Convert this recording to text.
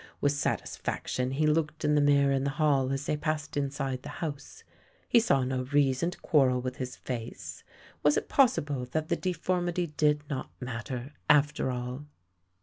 With satisfaction he looked in the mirror in the hall as they passed inside the house. He saw no reason to quarrel with his face. Was it possible that the deformity did not matter, after all